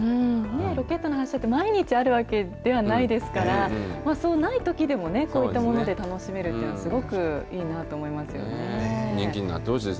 ロケットの話だと毎日あるわけではないですから、ないときでも、こういったもので楽しめるっていうのは、すごくい人気になってほしいです。